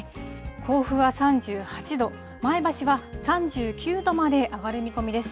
甲府は３８度、前橋は３９度まで上がる見込みです。